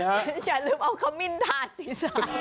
อย่าลืมเอาคำมินทาสที่๓